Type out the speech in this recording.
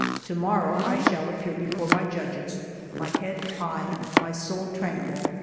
To morrow I shall appear before my judges, my head high, my soul tranquil.